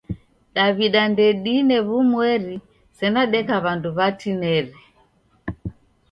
Daw'ida ndedine w'umweri sena deka w'andu w'atineri.